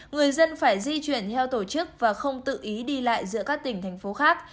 người dân phải di chuyển theo tổ chức và không tự ý đi lại giữa các tỉnh thành phố khác